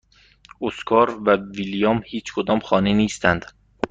اسکار و ویلیام هیچکدام خانه نیستند.